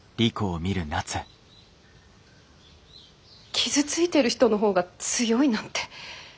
傷ついてる人の方が強いなんて。